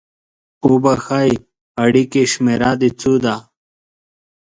اوبښئ! اړیکې شمیره د څو ده؟